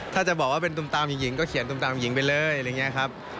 ถ้าจะบอกว่าเป็นตูมตามหญิงก็เขียนตูมตามหญิงไปเลยครับ